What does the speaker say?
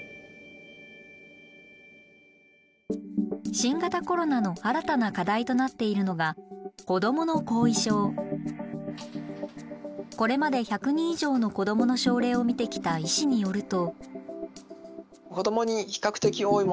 新型コロナの新たな課題となっているのがこれまで１００人以上の子どもの症例を診てきた医師によると。